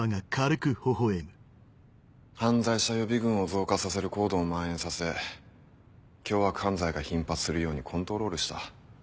犯罪者予備軍を増加させるＣＯＤＥをまん延させ凶悪犯罪が頻発するようにコントロールした。